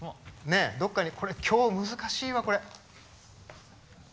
どっかにこれ今日難しいわこれ。